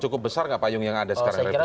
cukup besar nggak payung yang ada sekarang revisi